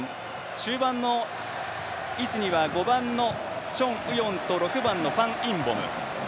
中盤の位置には５番のチョン・ウヨンと６番のファン・インボム。